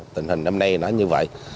tình hình năm nay nó như vậy